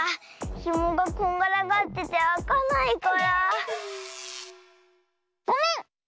ひもがこんがらがっててあかないからごめん！